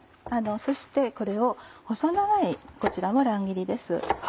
そしてこれを細長いこちらも乱切りです。